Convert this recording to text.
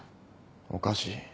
おかしい。